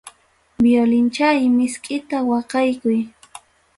Violinchay miskita waqaykuy.